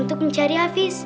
untuk mencari hafiz